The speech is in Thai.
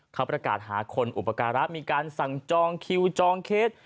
เขาประกาศหาคนอุปการะมีการสั่งจองคิวจองเคส